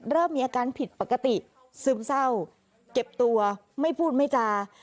เริ่มมีอาการผิดปกติซึมเศร้าเก็บตัวไม่พูดไม่จา